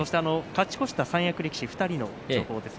勝ち越した三役力士２人の情報です。